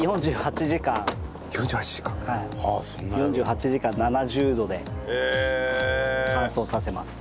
４８時間７０度で乾燥させます。